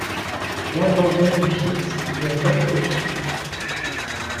L'abandon du site est encore obscur.